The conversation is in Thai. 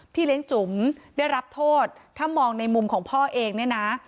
เลี้ยงจุ๋มได้รับโทษถ้ามองในมุมของพ่อเองเนี่ยนะ